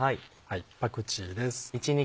パクチーです。